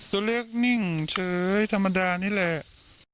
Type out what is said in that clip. ตัวเลขนิ่งเฉยธรรมดานี่แหละ